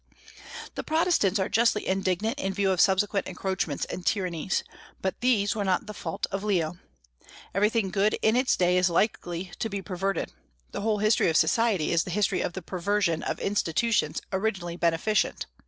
The Protestants are justly indignant in view of subsequent encroachments and tyrannies. But these were not the fault of Leo. Everything good in its day is likely to be perverted. The whole history of society is the history of the perversion of institutions originally beneficent.